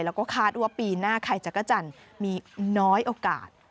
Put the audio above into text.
แล้วก็คาดว่าปีหน้าไข่จักรจันทร์มีน้อยโอกาส